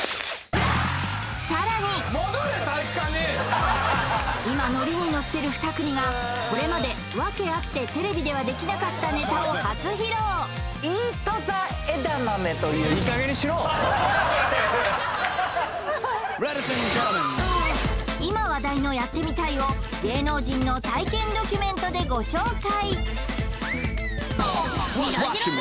さらに今ノリにノッてる２組がこれまでワケあってテレビではできなかったネタを初披露今話題の「やってみたい」を芸能人の体験ドキュメントでご紹介